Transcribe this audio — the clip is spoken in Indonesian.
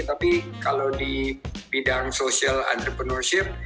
tapi kalau di bidang social entrepreneurship